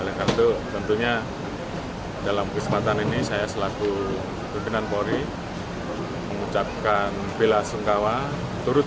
legandu tentunya dalam kesempatan ini saya selaku berkenan polri mengucapkan bila sungkawa turut